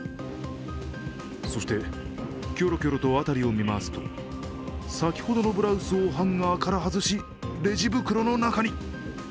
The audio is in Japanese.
そして、キョロキョロと辺りを見回すと先ほどのブラウスをハンガーから外しレジ袋の中に。